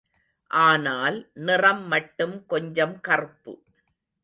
ஆனால், நிறம் மட்டும் கொஞ்சம் கறுப்பு.